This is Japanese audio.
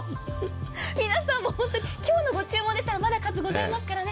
皆さんも今日のご注文でしたら、まだ数ありますからね。